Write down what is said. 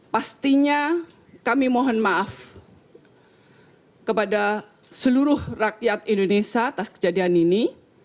pastinya kami mohon maaf kepada seluruh rakyat indonesia atas kejadian ini